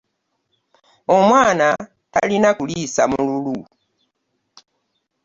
Omwana talina kuliisa mululu.